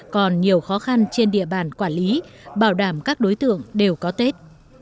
còn nhiều khó khăn trên địa bàn quản lý bảo đảm các đối tượng đều có tết